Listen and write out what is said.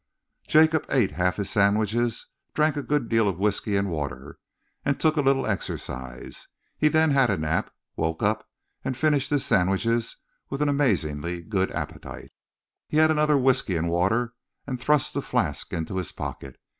Jacob ate half his sandwiches, drank a good deal of whisky and water, and took a little exercise. He then had a nap, woke up and finished his sandwiches with an amazingly good appetite, had another whisky and water and thrust the flask into his pocket.